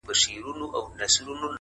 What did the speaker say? خيال ويل ه مـا پــرې وپاسه.